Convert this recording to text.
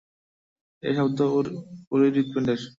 এ শব্দ ওর, ওরই হৃৎপিণ্ডের।